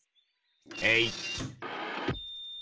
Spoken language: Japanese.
えい！